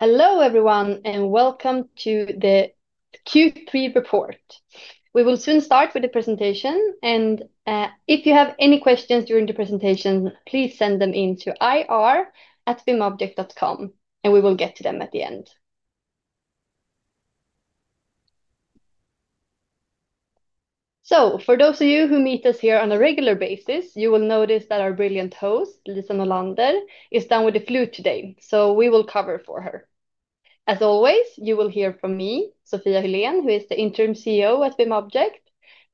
Hello everyone, and welcome to the Q3 report. We will soon start with the presentation, and if you have any questions during the presentation, please send them into ir@bimobject.com, and we will get to them at the end. For those of you who meet us here on a regular basis, you will notice that our brilliant host, Lisa Norlander, is down with the flu today, so we will cover for her. As always, you will hear from me, Sofia Hylén, who is the Interim CEO at BIMobject,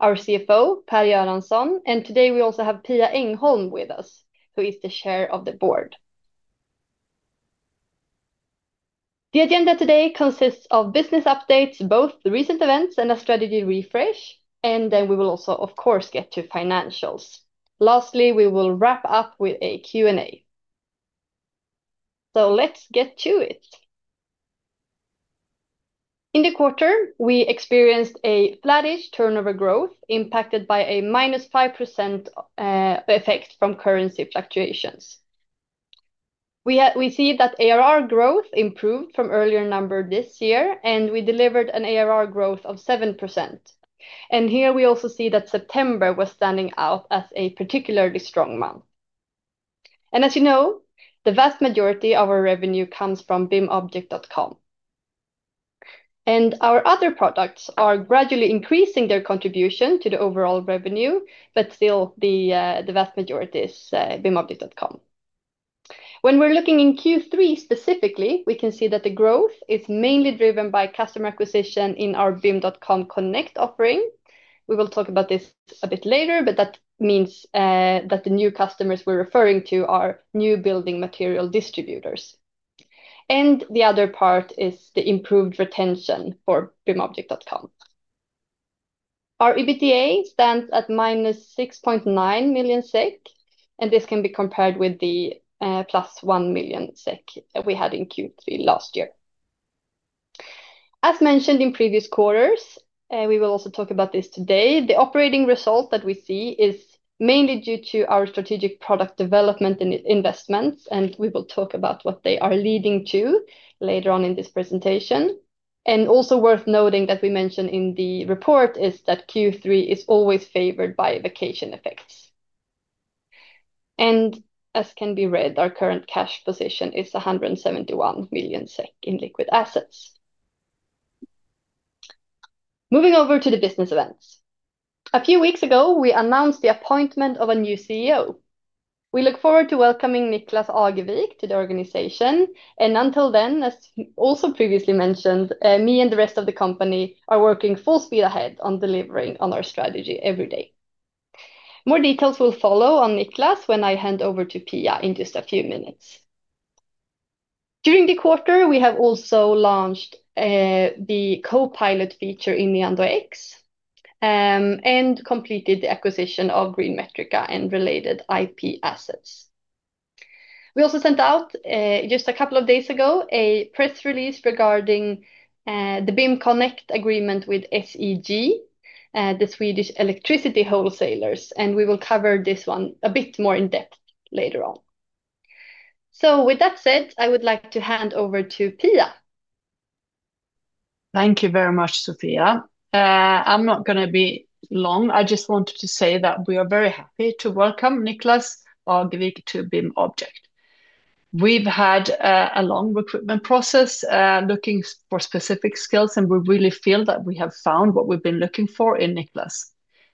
our CFO, Per Göransson, and today we also have Pia Engholm with us, who is the Chair of the Board. The agenda today consists of business updates, both recent events and a strategy refresh, and then we will also, of course, get to financials. Lastly, we will wrap up with a Q&A. Let's get to it. In the quarter, we experienced a flattish turnover growth impacted by a -5% effect from currency fluctuations. We see that ARR growth improved from earlier numbers this year, and we delivered an ARR growth of 7%. Here we also see that September was standing out as a particularly strong month. As you know, the vast majority of our revenue comes from BIMobject.com. Our other products are gradually increasing their contribution to the overall revenue, but still the vast majority is BIMobject.com. When we're looking in Q3 specifically, we can see that the growth is mainly driven by customer acquisition in our BIM Connect offering. We will talk about this a bit later, but that means that the new customers we're referring to are new building material distributors. The other part is the improved retention for BIMobject.com. Our EBITDA stands at -6.9 million SEK, and this can be compared with the +1 million SEK we had in Q3 last year. As mentioned in previous quarters, we will also talk about this today, the operating result that we see is mainly due to our strategic product development investments, and we will talk about what they are leading to later on in this presentation. Also worth noting that we mentioned in the report is that Q3 is always favored by vacation effects. As can be read, our current cash position is 171 million SEK in liquid assets. Moving over to the business events. A few weeks ago, we announced the appointment of a new CEO. We look forward to welcoming Niklas Agevik to the organization, and until then, as also previously mentioned, me and the rest of the company are working full speed ahead on delivering on our strategy every day. More details will follow on Niklas when I hand over to Pia in just a few minutes. During the quarter, we have also launched the co-pilot AI feature in the ENDO-X and completed the acquisition of GreenMetrica and related IP assets. We also sent out just a couple of days ago a press release regarding the BIM Connect agreement with SEG, the Swedish electricity wholesalers, and we will cover this one a bit more in depth later on. With that said, I would like to hand over to Pia. Thank you very much, Sofia. I'm not going to be long. I just wanted to say that we are very happy to welcome Niklas Agevik to BIMobject. We've had a long recruitment process looking for specific skills, and we really feel that we have found what we've been looking for in Niklas.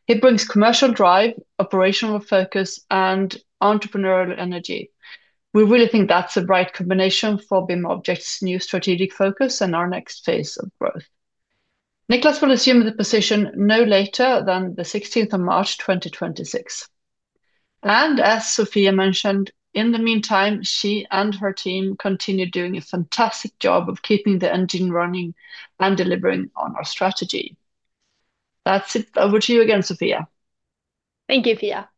He brings commercial drive, operational focus, and entrepreneurial energy. We really think that's the right combination for BIMobject's new strategic focus and our next phase of growth. Niklas will assume the position no later than the 16th of March 2026. As Sofia mentioned, in the meantime, she and her team continue doing a fantastic job of keeping the engine running and delivering on our strategy. That's it. Over to you again, Sofia. Thank you, Pia.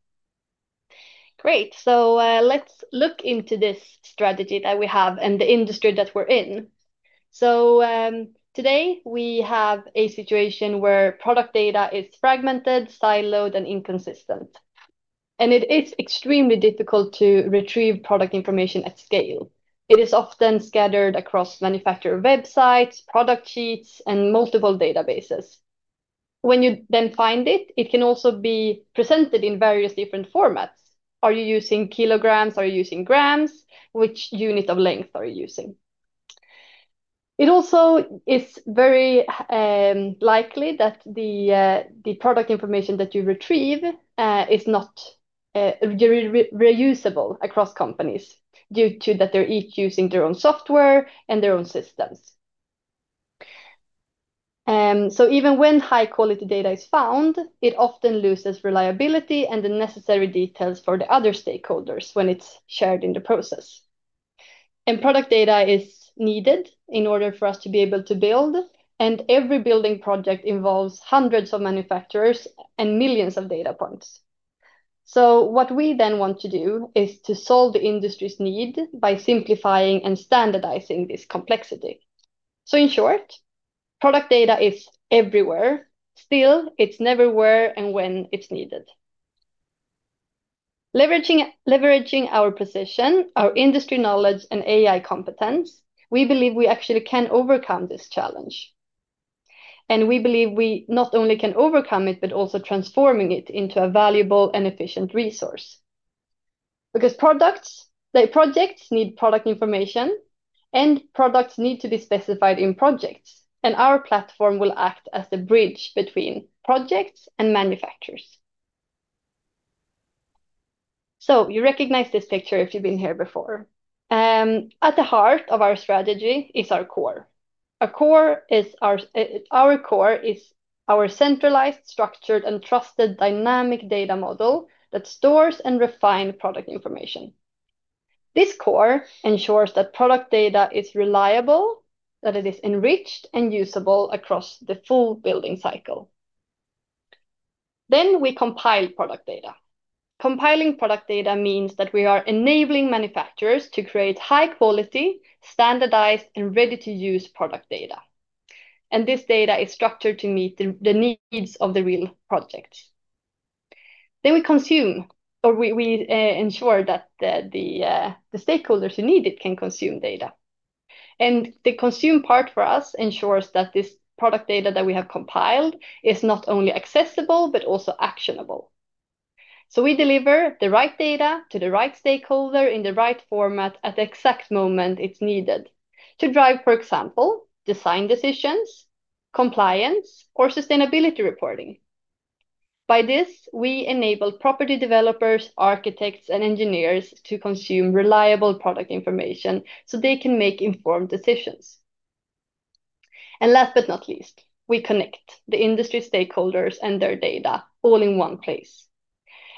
Great. Let's look into this strategy that we have and the industry that we're in. Today we have a situation where product data is fragmented, siloed, and inconsistent. It is extremely difficult to retrieve product information at scale. It is often scattered across manufacturer websites, product sheets, and multiple databases. When you find it, it can also be presented in various different formats. Are you using kilograms? Are you using grams? Which unit of length are you using? It also is very likely that the product information that you retrieve is not reusable across companies due to the fact that they're each using their own software and their own systems. Even when high-quality data is found, it often loses reliability and the necessary details for the other stakeholders when it's shared in the process. Product data is needed in order for us to be able to build, and every building project involves hundreds of manufacturers and millions of data points. What we want to do is solve the industry's need by simplifying and standardizing this complexity. In short, product data is everywhere. Still, it's never where and when it's needed. Leveraging our position, our industry knowledge, and AI competence, we believe we actually can overcome this challenge. We believe we not only can overcome it, but also transform it into a valuable and efficient resource. Products, like projects, need product information, and products need to be specified in projects, and our platform will act as the bridge between projects and manufacturers. You recognize this picture if you've been here before. At the heart of our strategy is our core. Our core is our centralized, structured, and trusted dynamic data model that stores and refines product information. This core ensures that product data is reliable, that it is enriched and usable across the full building cycle. We compile product data. Compiling product data means that we are enabling manufacturers to create high-quality, standardized, and ready-to-use product data. This data is structured to meet the needs of the real projects. We ensure that the stakeholders who need it can consume data. The consume part for us ensures that this product data that we have compiled is not only accessible, but also actionable. We deliver the right data to the right stakeholder in the right format at the exact moment it's needed to drive, for example, design decisions, compliance, or sustainability reporting. By this, we enable property developers, architects, and engineers to consume reliable product information so they can make informed decisions. Last but not least, we connect the industry stakeholders and their data all in one place.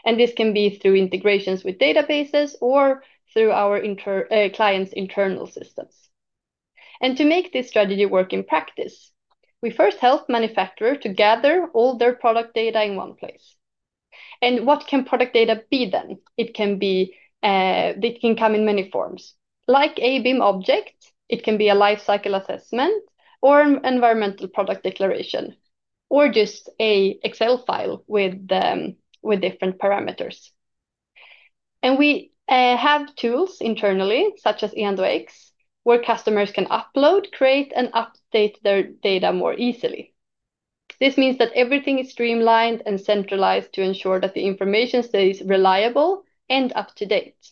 This can be through integrations with databases or through our clients' internal systems. To make this strategy work in practice, we first help manufacturers to gather all their product data in one place. What can product data be then? It can come in many forms. Like a BIM object, it can be a lifecycle assessment or an Environmental Product Declaration, or just an Excel file with different parameters. We have tools internally, such as ENDO-X, where customers can upload, create, and update their data more easily. This means that everything is streamlined and centralized to ensure that the information stays reliable and up to date.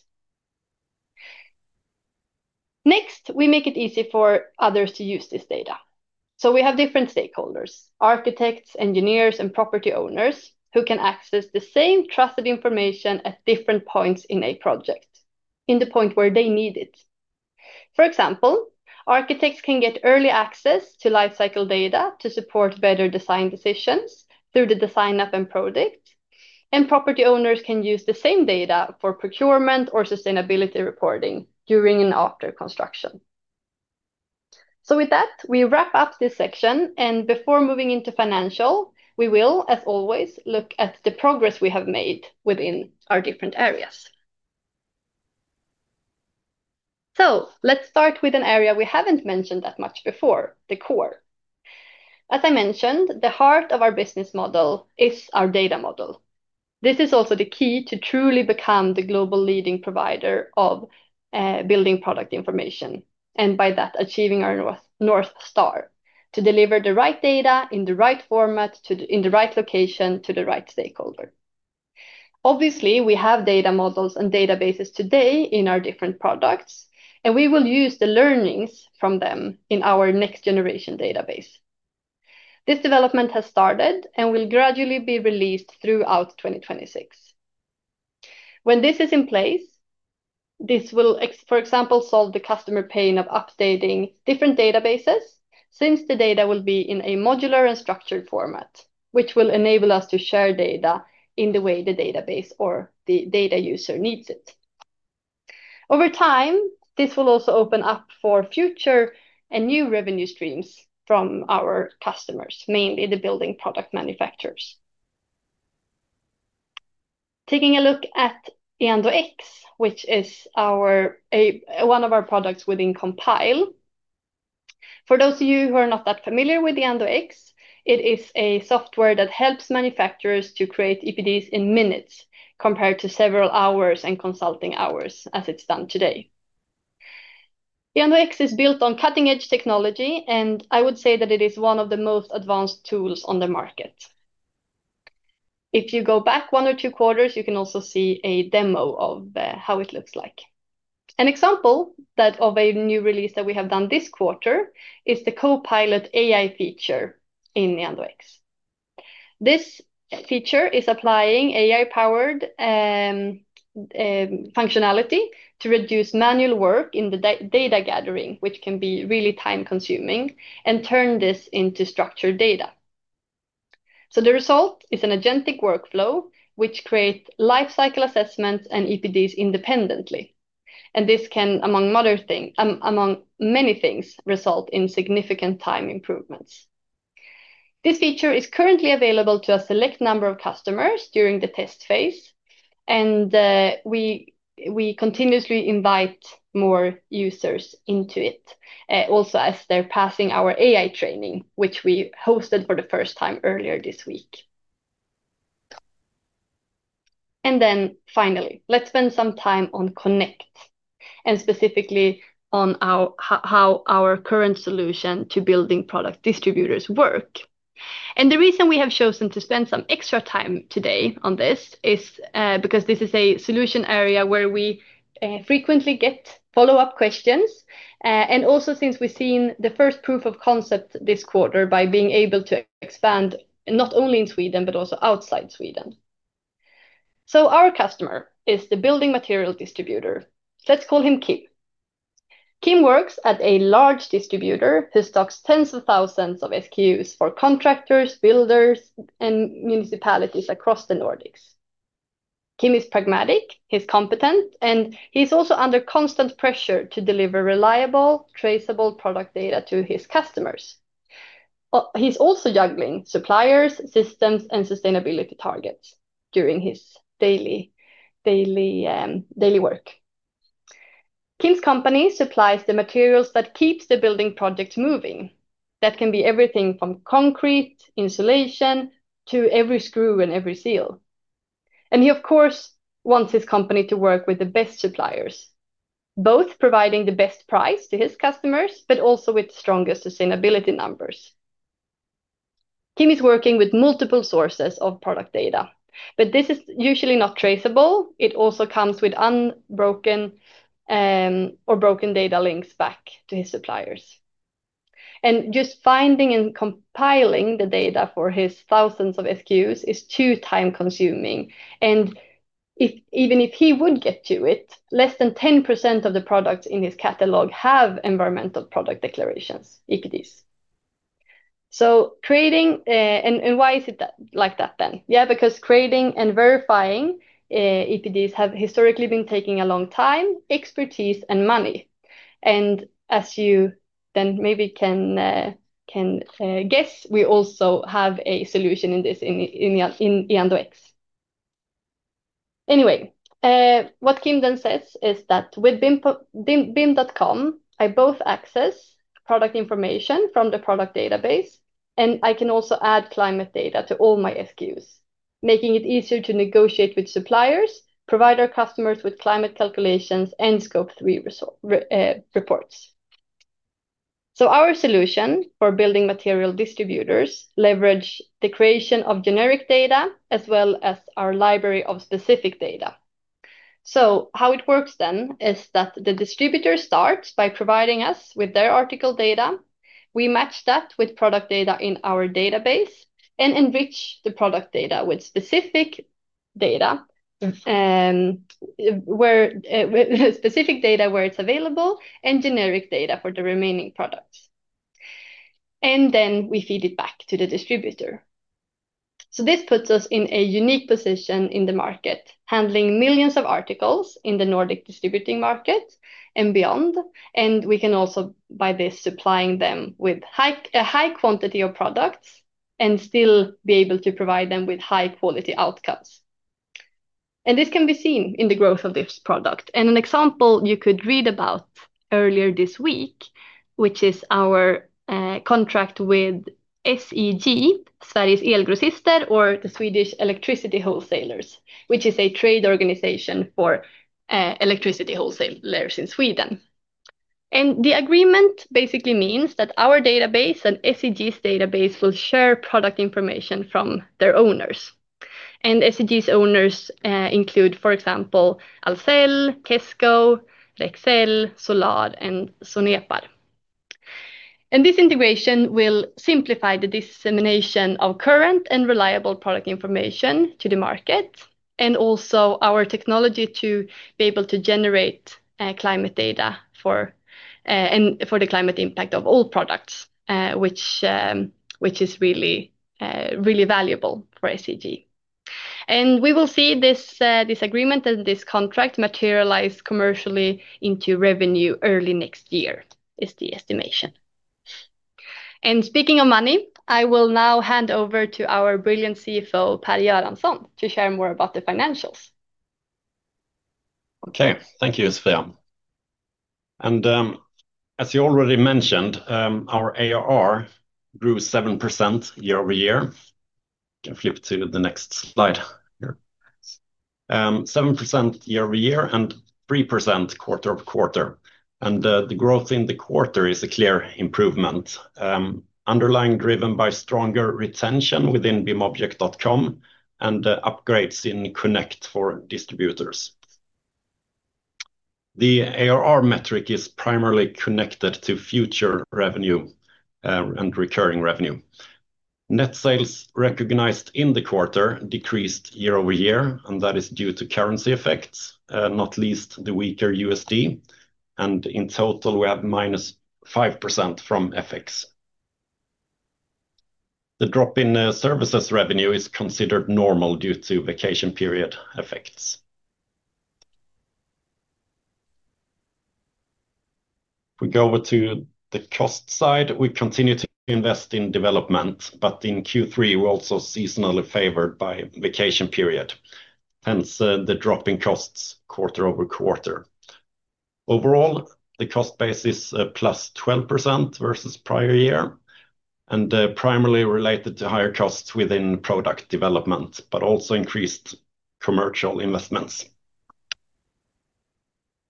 Next, we make it easy for others to use this data. We have different stakeholders, architects, engineers, and property owners who can access the same trusted information at different points in a project, in the point where they need it. For example, architects can get early access to lifecycle data to support better design decisions through the design of a product, and property owners can use the same data for procurement or sustainability reporting during and after construction. With that, we wrap up this section, and before moving into financial, we will, as always, look at the progress we have made within our different areas. Let's start with an area we haven't mentioned that much before, the core. As I mentioned, the heart of our business model is our data model. This is also the key to truly become the global leading provider of building product information, and by that, achieving our North Star to deliver the right data in the right format, in the right location, to the right stakeholder. Obviously, we have data models and databases today in our different products, and we will use the learnings from them in our next-generation database. This development has started and will gradually be released throughout 2026. When this is in place, this will, for example, solve the customer pain of updating different databases since the data will be in a modular and structured format, which will enable us to share data in the way the database or the data user needs it. Over time, this will also open up for future and new revenue streams from our customers, mainly the building product manufacturers. Taking a look at ENDO-X, which is one of our products within Compile. For those of you who are not that familiar with ENDO-X, it is a software that helps manufacturers to create EPDs in minutes compared to several hours and consulting hours as it's done today. ENDO-X is built on cutting-edge technology, and I would say that it is one of the most advanced tools on the market. If you go back one or two quarters, you can also see a demo of how it looks like. An example of a new release that we have done this quarter is the co-pilot AI feature in ENDO-X. This feature is applying AI-powered functionality to reduce manual work in the data gathering, which can be really time-consuming, and turn this into structured data. The result is an agentic workflow which creates lifecycle assessments and EPDs independently. This can, among many things, result in significant time improvements. This feature is currently available to a select number of customers during the test phase, and we continuously invite more users into it, also as they're passing our AI training, which we hosted for the first time earlier this week. Finally, let's spend some time on Connect, and specifically on how our current solution to building product distributors works. The reason we have chosen to spend some extra time today on this is because this is a solution area where we frequently get follow-up questions, and also since we've seen the first proof of concept this quarter by being able to expand not only in Sweden, but also outside Sweden. Our customer is the building material distributor. Let's call him Kim. Kim works at a large distributor who stocks tens of thousands of SKUs for contractors, builders, and municipalities across the Nordics. Kim is pragmatic, he's competent, and he's also under constant pressure to deliver reliable, traceable product data to his customers. He's also juggling suppliers, systems, and sustainability targets during his daily work. Kim's company supplies the materials that keep the building project moving. That can be everything from concrete, insulation, to every screw and every seal. He, of course, wants his company to work with the best suppliers, both providing the best price to his customers, but also with the strongest sustainability numbers. Kim is working with multiple sources of product data, but this is usually not traceable. It also comes with unbroken or broken data links back to his suppliers. Just finding and compiling the data for his thousands of SKUs is too time-consuming. Even if he would get to it, less than 10% of the products in his catalog have Environmental Product Declarations, EPDs. Why is it like that then? Creating and verifying EPDs has historically been taking a long time, expertise, and money. As you then maybe can guess, we also have a solution in this in ENDO-X. Anyway, what Kim then says is that with BIMobject.com, I both access product information from the product database, and I can also add climate data to all my SKUs, making it easier to negotiate with suppliers, provide our customers with climate calculations, and scope 3 reports. Our solution for building material distributors leverages the creation of generic data as well as our library of specific data. How it works then is that the distributor starts by providing us with their article data. We match that with product data in our database and enrich the product data with specific data where it's available, and generic data for the remaining products. Then we feed it back to the distributor. This puts us in a unique position in the market, handling millions of articles in the Nordic distributing market and beyond. We can also, by this, supply them with a high quantity of products and still be able to provide them with high-quality outcomes. This can be seen in the growth of this product. An example you could read about earlier this week, which is our contract with SEG, Sveriges Elgrossister, or the Swedish Electricity Wholesalers, which is a trade organization for electricity wholesalers in Sweden. The agreement basically means that our database and SEG's database will share product information from their owners. SEG's owners include, for example, Alcel, Kesko, Rexel, Solar, and Sonepar. This integration will simplify the dissemination of current and reliable product information to the market, and also our technology to be able to generate climate data for the climate impact of all products, which is really valuable for SEG. We will see this agreement and this contract materialize commercially into revenue early next year, is the estimation. Speaking of money, I will now hand over to our brilliant CFO, Per Göransson, to share more about the financials. Okay, thank you, Sofia. As you already mentioned, our ARR grew 7% year-over-year. You can flip to the next slide here. 7% year-over-year and 3% quarter-over-quarter. The growth in the quarter is a clear improvement, underlying driven by stronger retention within Bimobject.com and upgrades in Connect for distributors. The ARR metric is primarily connected to future revenue and recurring revenue. Net sales recognized in the quarter decreased year-over-year, and that is due to currency effects, not least the weaker USD. In total, we have -5% from FX. The drop in services revenue is considered normal due to vacation period effects. If we go over to the cost side, we continue to invest in development, but in Q3, we're also seasonally favored by vacation period. Hence, the drop in costs quarter-over-quarter. Overall, the cost basis is plus 12% versus prior year, and primarily related to higher costs within product development, but also increased commercial investments.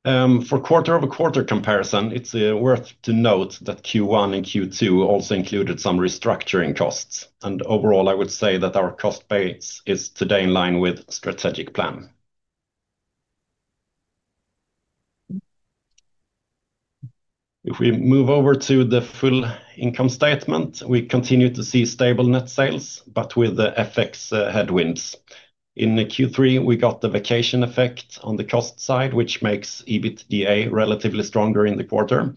For quarter-over-quarter comparison, it's worth to note that Q1 and Q2 also included some restructuring costs. Overall, I would say that our cost base is today in line with the strategic plan. If we move over to the full income statement, we continue to see stable net sales, but with the FX headwinds. In Q3, we got the vacation effect on the cost side, which makes EBITDA relatively stronger in the quarter.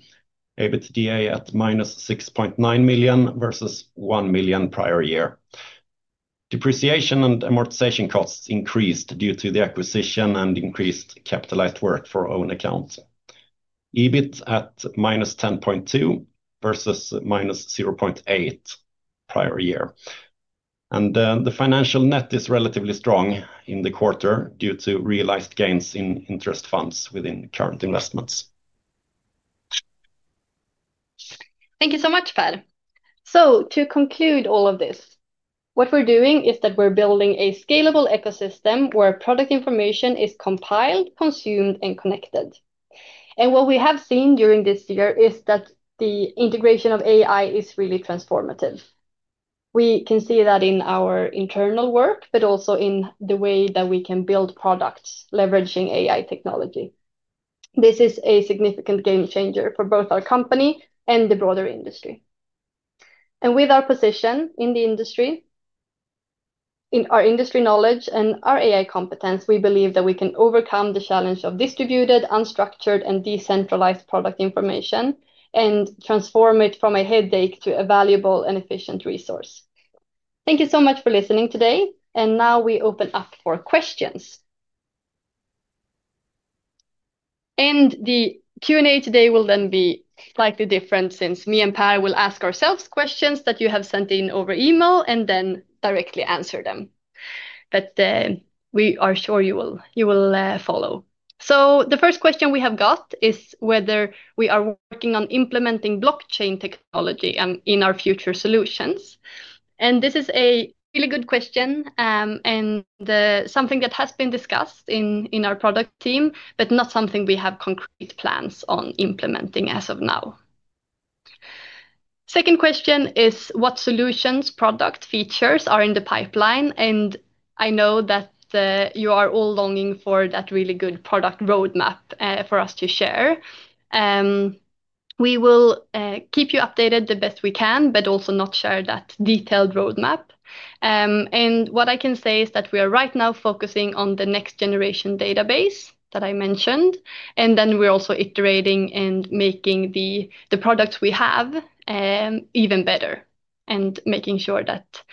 EBITDA at -6.9 million versus 1 million prior year. Depreciation and amortization costs increased due to the acquisition and increased capitalized work for own accounts. EBIT at -10.2 million versus -0.8 million prior year. The financial net is relatively strong in the quarter due to realized gains in interest funds within current investments. Thank you so much, Per. To conclude all of this, what we're doing is that we're building a scalable ecosystem where product information is compiled, consumed, and connected. What we have seen during this year is that the integration of AI is really transformative. We can see that in our internal work, but also in the way that we can build products leveraging AI technology. This is a significant game changer for both our company and the broader industry. With our position in the industry, our industry knowledge, and our AI competence, we believe that we can overcome the challenge of distributed, unstructured, and decentralized product information and transform it from a headache to a valuable and efficient resource. Thank you so much for listening today. Now we open up for questions. The Q&A today will then be slightly different since me and Per will ask ourselves questions that you have sent in over email and then directly answer them. We are sure you will follow. The first question we have got is whether we are working on implementing blockchain technology in our future solutions. This is a really good question and something that has been discussed in our product team, but not something we have concrete plans on implementing as of now. The second question is what solutions, product features are in the pipeline. I know that you are all longing for that really good product roadmap for us to share. We will keep you updated the best we can, but also not share that detailed roadmap. What I can say is that we are right now focusing on the next-generation database that I mentioned. We are also iterating and making the products we have even better and making sure that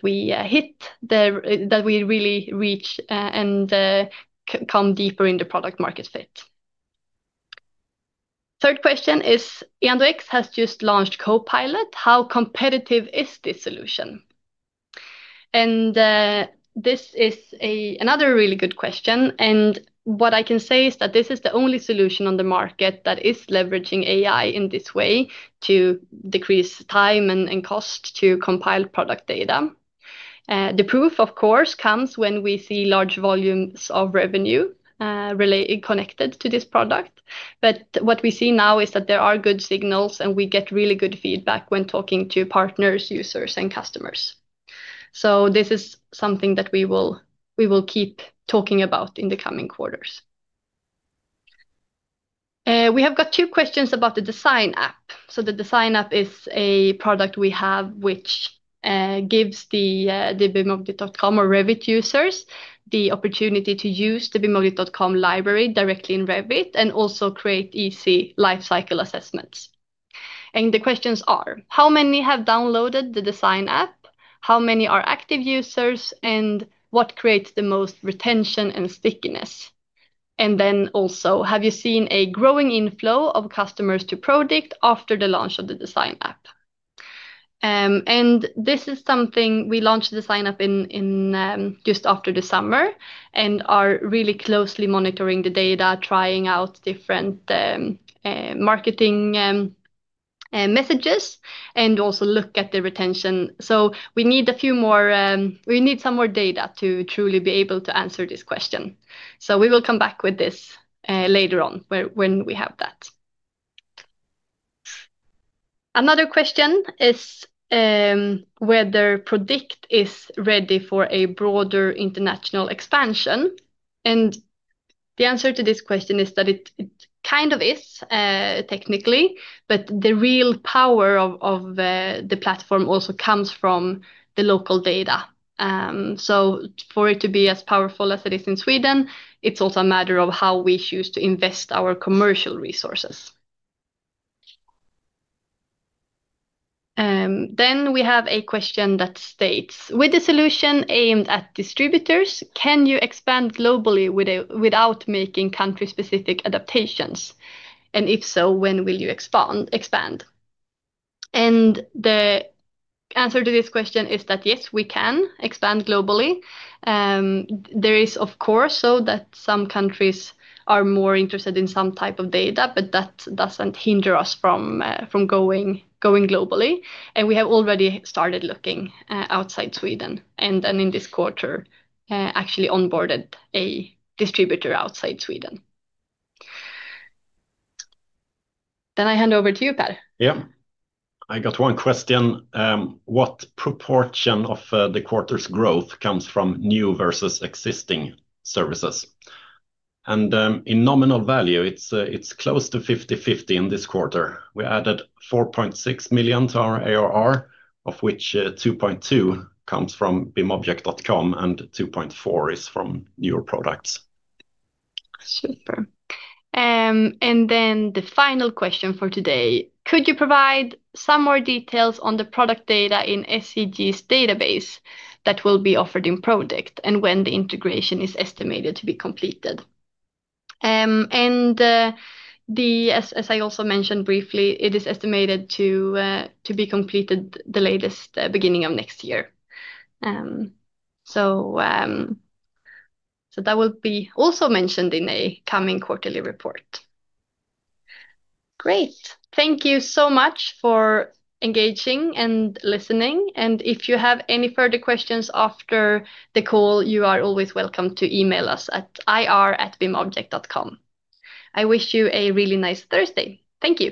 we really reach and come deeper in the product market fit. The third question is, ENDO-X has just launched co-pilot. How competitive is this solution? This is another really good question. What I can say is that this is the only solution on the market that is leveraging AI in this way to decrease time and cost to compile product data. The proof, of course, comes when we see large volumes of revenue connected to this product. What we see now is that there are good signals and we get really good feedback when talking to partners, users, and customers. This is something that we will keep talking about in the coming quarters. We have got two questions about the design application. The design application is a product we have which gives the BIMobject.com or Revit users the opportunity to use the BIMobject.com library directly in Revit and also create easy lifecycle assessments. The questions are, how many have downloaded the design application? How many are active users? What creates the most retention and stickiness? Also, have you seen a growing inflow of customers to product after the launch of the design application? We launched the design application just after the summer and are really closely monitoring the data, trying out different marketing messages, and also looking at the retention. We need some more data to truly be able to answer this question. We will come back with this later on when we have that. Another question is whether Prodikt platform is ready for a broader international expansion. The answer to this question is that it kind of is technically, but the real power of the platform also comes from the local data. For it to be as powerful as it is in Sweden, it's also a matter of how we choose to invest our commercial resources. We have a question that states, with the solution aimed at distributors, can you expand globally without making country-specific adaptations? If so, when will you expand? The answer to this question is that yes, we can expand globally. There is, of course, that some countries are more interested in some type of data, but that doesn't hinder us from going globally. We have already started looking outside Sweden. In this quarter, we actually onboarded a distributor outside Sweden. I hand over to you, Per. Yeah. I got one question. What proportion of the quarter's growth comes from new versus existing services? In nominal value, it's close to 50-50 in this quarter. We added 4.6 million to our ARR, of which 2.2 million comes from BIMobject.com and 2.4 million is from newer products. Super. The final question for today, could you provide some more details on the product data in SEG's database that will be offered in product and when the integration is estimated to be completed? As I also mentioned briefly, it is estimated to be completed the latest beginning of next year. That will be also mentioned in a coming quarterly report. Great. Thank you so much for engaging and listening. If you have any further questions after the call, you are always welcome to email us at ir@bimobject.com. I wish you a really nice Thursday. Thank you.